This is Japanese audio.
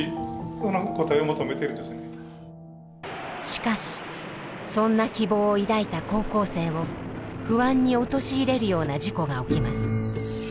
しかしそんな希望を抱いた高校生を不安に陥れるような事故が起きます。